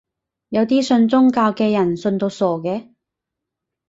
有啲信宗教嘅人信到傻嘅